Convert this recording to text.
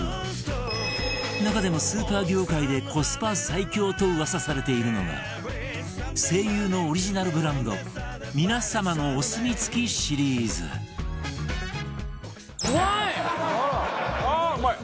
中でもスーパー業界でコスパ最強と噂されているのが ＳＥＩＹＵ のオリジナルブランド「みなさまのお墨付き」シリーズああーうまい！